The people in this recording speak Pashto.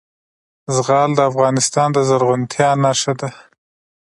زغال د افغانستان د زرغونتیا نښه ده.